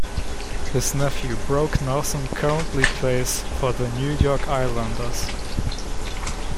His nephew, Brock Nelson, currently plays for the New York Islanders.